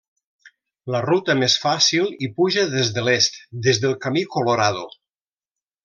La ruta més fàcil hi puja des de l'est, des del camí Colorado.